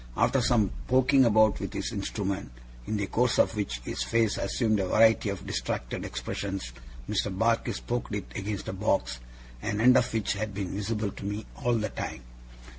After some poking about with this instrument, in the course of which his face assumed a variety of distracted expressions, Mr. Barkis poked it against a box, an end of which had been visible to me all the time.